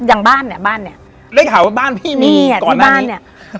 อย่างบ้านเนี่ยบ้านเนี่ยได้ข่าวว่าบ้านพี่มีก่อนหน้านี้เนี่ยที่บ้านเนี่ย